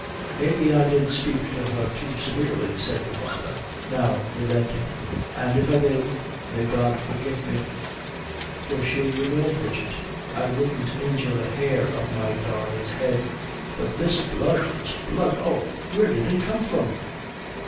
"Maybe I did spake to her too severely," said the father, now relenting, "an' if I did, may God forgive me; for sure you know, Bridget, I wouldn't injure a hair of my darlin's head. But this blood! this blood! oh, where did it come from?"